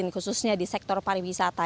khususnya di sektor pariwisata